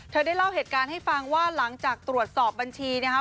ได้เล่าเหตุการณ์ให้ฟังว่าหลังจากตรวจสอบบัญชีนะคะ